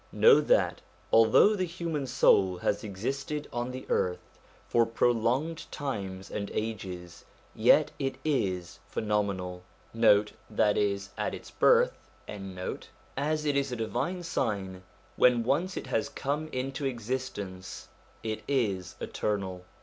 Know that, although the human soul has existed on the earth for prolonged times and ages, yet it is pheno menal. 1 As it is a divine sign, when once it has come , into existence it is eternal.